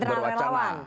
di internal relawan